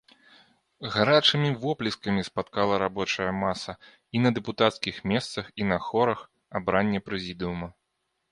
Гарачымі воплескамі спаткала рабочая маса, і на дэпутацкіх месцах і на хорах, абранне прэзідыума.